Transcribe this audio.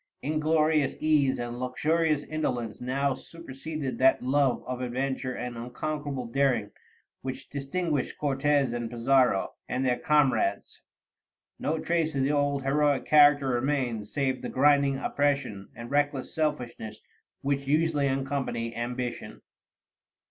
Inglorious ease and luxurious indolence now superseded that love of adventure and unconquerable daring which distinguished Cortez and Pizarro, and their comrades: no trace of the old heroic character remained save the grinding oppression and reckless selfishness which usually accompany ambition.